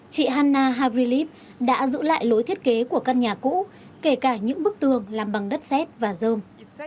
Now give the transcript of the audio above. chị hanna havilip đã giữ lại lối thiết kế của căn nhà cũ kể cả những bức tường làm bằng đất xét và dơm